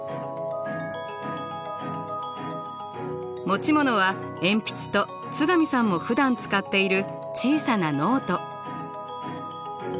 持ち物は鉛筆と津上さんもふだん使っている小さなノート。